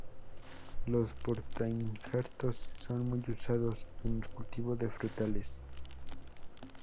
Los portainjertos son muy usados en el cultivo de frutales.